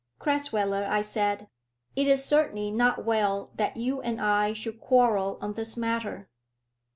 "Crasweller," I said, "it is certainly not well that you and I should quarrel on this matter.